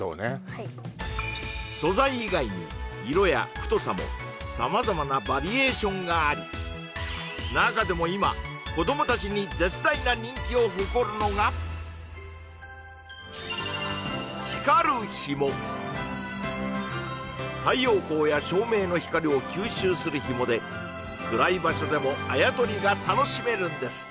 はい素材以外に色や太さも様々なバリエーションがあり中でも今太陽光や照明の光を吸収するヒモで暗い場所でもあやとりが楽しめるんです！